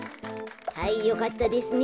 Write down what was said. はいよかったですね。